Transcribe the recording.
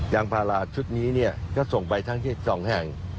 ยางพาราชุดนี้เนี่ยก็ส่งไปทั้งที่สองแห่ง